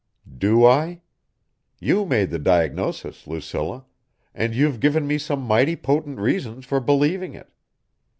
"Do I? You made the diagnosis, Lucilla, and you've given me some mighty potent reasons for believing it